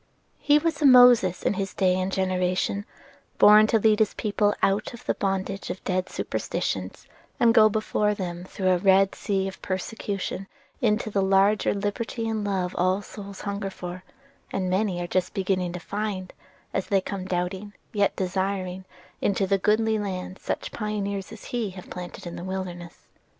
He was a Moses in his day and generation, born to lead his people out of the bondage of dead superstitions, and go before them through a Red Sea of persecution into the larger liberty and love all souls hunger for, and many are just beginning to find as they come doubting, yet desiring, into the goodly land such pioneers as he have planted in the wilderness.